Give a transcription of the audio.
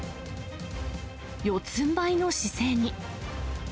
四つんばいの姿勢に。